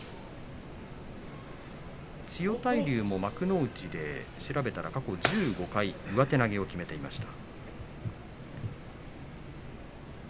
千代大龍も幕内で調べたら過去１５回上手投げをきめていました。